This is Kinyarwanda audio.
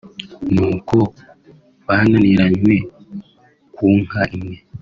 n’uko bananiranywe ku nka imwe